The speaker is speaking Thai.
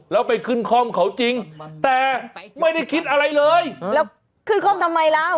แล้วไปขึ้นคล่อมเขาจริงแต่ไม่ได้คิดอะไรเลยแล้วขึ้นคล่อมทำไมล่ะ